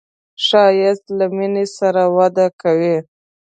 ښایست له مینې سره وده کوي